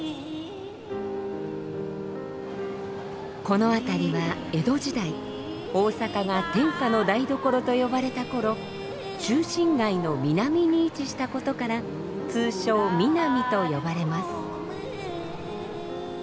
この辺りは江戸時代大阪が天下の台所と呼ばれた頃中心街の南に位置したことから通称「ミナミ」と呼ばれます。